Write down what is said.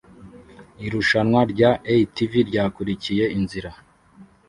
Irushanwa rya ATV ryakurikiye inzira